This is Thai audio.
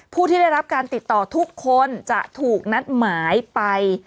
ผู้ที่ได้รับการติดต่อทุกคนจะถูกนัดหมายไป